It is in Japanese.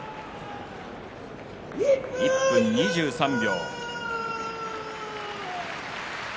１分２３秒。